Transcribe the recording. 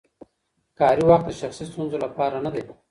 کاري وخت د شخصي ستونزو لپاره نه دی.